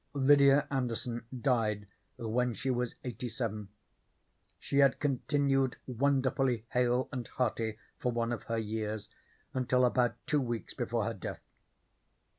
Lydia Anderson died when she was eighty seven. She had continued wonderfully hale and hearty for one of her years until about two weeks before her death.